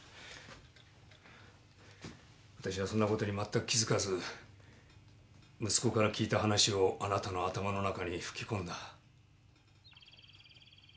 わたしはそんなことに全く気づかず息子から聞いた話をあなたの頭の中に吹き込んだ。